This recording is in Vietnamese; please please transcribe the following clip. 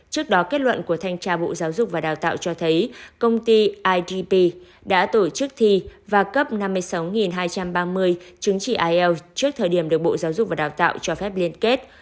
trước đó kết luận của thanh tra bộ giáo dục và đào tạo cho thấy công ty idp đã tổ chức thi và cấp năm mươi sáu hai trăm ba mươi chứng chỉ ielts trước thời điểm được bộ giáo dục và đào tạo cho phép liên kết